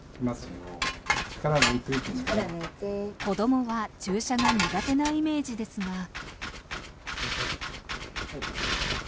子どもは注射が苦手なイメージですが。